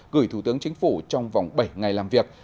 gửi thủ tướng chính phủ trong vòng bảy ngày làm việc